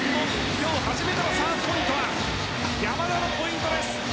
今日初めてのサーブポイントは山田のポイントです！